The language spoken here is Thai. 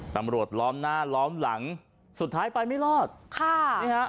ล้อมหน้าล้อมหลังสุดท้ายไปไม่รอดค่ะนี่ฮะ